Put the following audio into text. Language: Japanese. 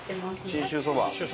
信州そば。